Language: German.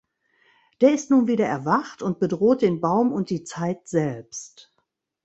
Der ist nun wieder erwacht und bedroht den Baum und die Zeit selbst.